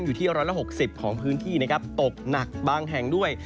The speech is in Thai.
อยู่ที่๑๖๐ของพื้นที่นะครับตกหนักบางแห่งด้วย